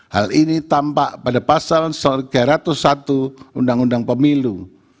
hal ini tampak pada pasal tiga ratus satu undang undang pemilu